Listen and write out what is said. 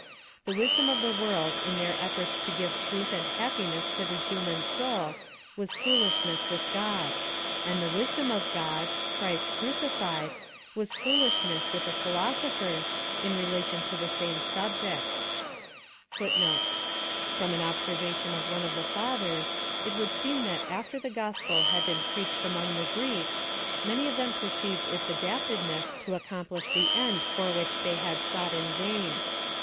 The wisdom of the world in their ef forts to give truth and happiness to the human soul, was foolishness with God ; and the wisdom of God —CHRIST CRUCIFIED— was foolishness with the philosophers, in relation to the same subject:* • From an observation of one of the Fathers, it would seem I hat after the Gospel had been preached among the Greeks, many of them perceived its adaptedness to accomplish the end for which they tad sought in vaTn.